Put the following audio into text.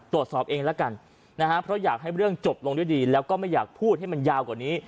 ตรวจสอบเองแล้วกันนะฮะเพราะอยากให้เรื่องจบลงด้วยดีแล้วก็ไม่อยากพูดให้มันยาวกว่านี้